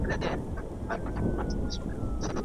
ایا چای تیار دی؟